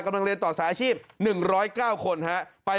กำลังจะเรียนต่อสถาอาชีพ๑๐๙คนครับ